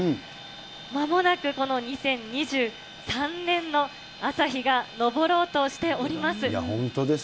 まもなくこの２０２３年の朝日が昇ろうとしております。